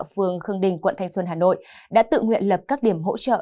phường khương đình quận thanh xuân hà nội đã tự nguyện lập các điểm hỗ trợ